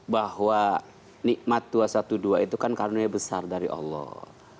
bahwa nikmat dua ratus dua belas itu kan karena besar dari allah